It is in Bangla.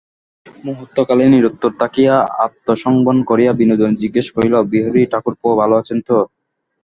মুহূর্তকাল নিরুত্তর থাকিয়া আত্মসংবরণ করিয়া বিনোদিনী জিজ্ঞাসা করিল, বিহারী-ঠাকুরপো ভালো আছেন তো?